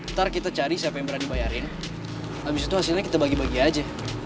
ntar kita cari siapa yang berani bayarin abisitu hasilnya kita bagi bagi aja